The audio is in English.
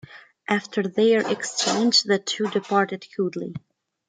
After their exchange, the two departed coolly.